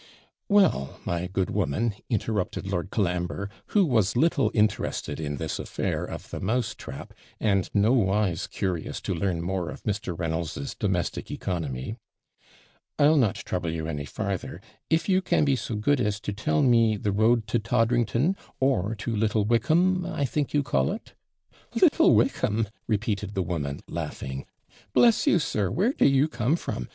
'Well, my good woman,' interrupted Lord Colambre, who was little interested in this affair of the mouse trap, and nowise curious to learn more of Mr. Reynolds's domestic economy, 'I'll not trouble you any farther, if you can be so good as to tell me the road to Toddrington, or to Little Wickham, I think you call it.' Little Wickham!' repeated the woman, laughing ' Bless you, sir, where do you come from?